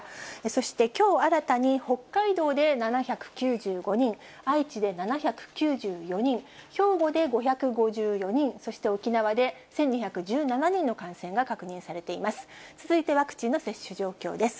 そしてきょう新たに北海道で７９５人、愛知で７９４人、兵庫で５５４人、そして沖縄で１２１７人の感染が確認されています。